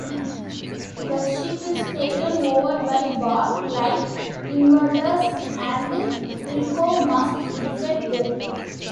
The ship is taken over by Borg-like invaders and Wilco must defeat them.